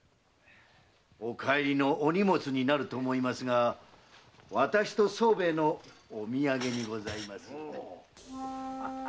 お帰りのお荷物になると思いますが私と宗兵衛のお土産にございます。